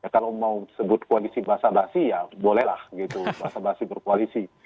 kalau mau sebut koalisi basa basi ya bolehlah gitu basa basi berkoalisi